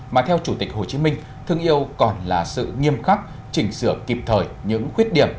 mà theo chủ tịch hồ chí minh thương yêu còn là sự nghiêm khắc chỉnh sửa kịp thời những khuyết điểm